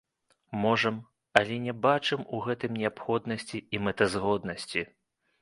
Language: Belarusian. Можам, але не бачым у гэтым неабходнасці і мэтазгоднасці.